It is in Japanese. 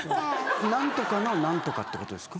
・なんとかのなんとかってことですか？